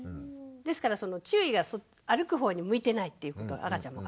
ですから注意が歩く方に向いてないということは赤ちゃんも分かってる。